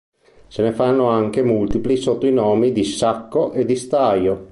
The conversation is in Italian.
Se ne fanno anche multipli sotto i nomi di sacco e di staio.